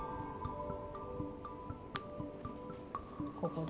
ここで。